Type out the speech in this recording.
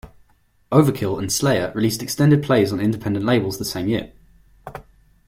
Overkill and Slayer released extended plays on independent labels the same year.